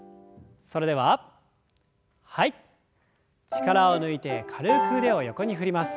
力を抜いて軽く腕を横に振ります。